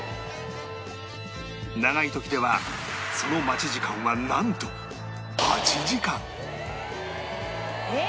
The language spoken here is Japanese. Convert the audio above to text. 長い時ではその待ち時間はなんと８時間！